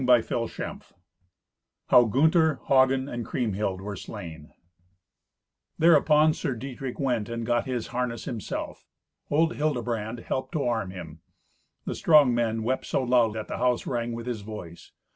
Thirty Ninth Adventure How Gunther, Hagen, and Kriemhild Were Slain Thereupon Sir Dietrich went and got his harness himself. Old Hildebrand helped to arm him. The strong man wept so loud that the house rang with his voice.